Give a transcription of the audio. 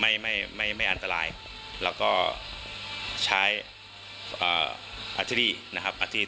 ไม่ไม่ไม่ไม่อันตรายแล้วก็ใช้อ่าอาทิตย์นะครับอาทิตย์